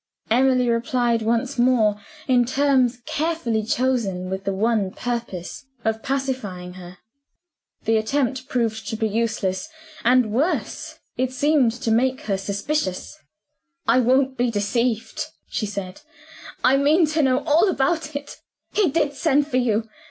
Emily replied once more, in terms carefully chosen with the one purpose of pacifying her. The attempt proved to be useless, and worse it seemed to make her suspicious. "I won't be deceived!" she said; "I mean to know all about it. He did send for you.